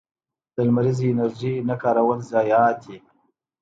د لمریزې انرژۍ نه کارول ضایعات دي.